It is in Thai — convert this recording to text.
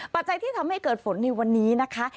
ปัจจัยที่ทำให้เกิดฝนในวันนี้นะคะ